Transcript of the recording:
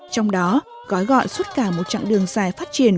trong đó gói gọn suốt cả một chặng đường dài phát triển